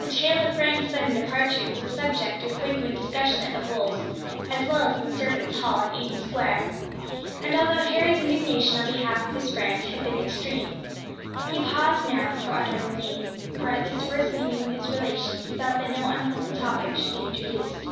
The tale of Frank's sudden departure was a subject of frequent discussion at the Holls', as well as in the servants' hall in Eaton Square; and although Harry's indignation on behalf of his friend had been extreme, he paused now before uttering the name, for at this first meeting with his relation he felt that no unpleasant topic should be introduced.